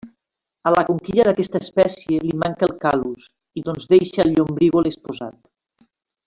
A la conquilla d'aquesta espècie li manca el cal·lus, i doncs deixa el llombrígol exposat.